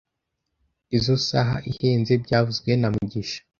Izoi saha ihenze byavuzwe na mugisha